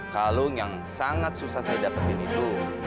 kalung yang sangat susah saya dapetin itu